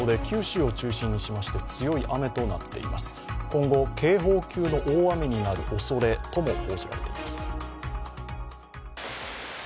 今後、警報級の大雨になるおそれとも報じられています。